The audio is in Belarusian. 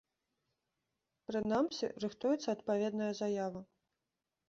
Прынамсі, рыхтуецца адпаведная заява.